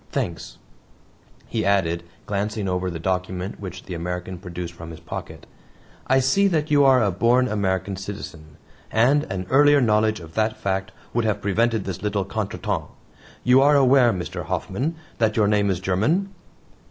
Thanks," he added, glancing over the document which the American produced from his pocket. "I see that you are a born American citizen and an earlier knowledge of that fact would have prevented this little contretemps. You are aware, Mr. Hoffman, that your name is German?"